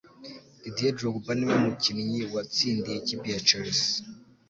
Didier Drogba niwe mu kinnyi wa tsindiye ikipe ya Chelsea